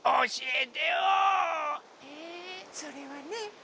えそれはね